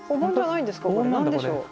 何でしょう。